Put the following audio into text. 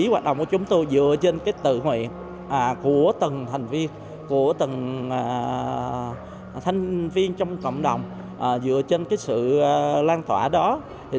bước sau chúng tôi tự nguyện để góp quỹ